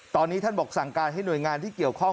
ตอนนี้ท่านบอกสั่งการให้หน่วยงานที่เกี่ยวข้อง